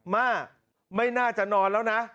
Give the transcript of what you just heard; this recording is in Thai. ม่าไม่น่าจะนอนแล้วนะ